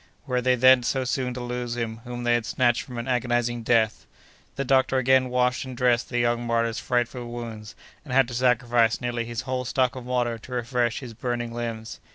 Were they then so soon to lose him whom they had snatched from an agonizing death? The doctor again washed and dressed the young martyr's frightful wounds, and had to sacrifice nearly his whole stock of water to refresh his burning limbs.